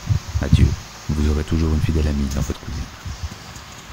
Adieu, vous aurez toujours une fidèle amie dans votre cousine